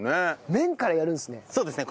麺からやるんですね。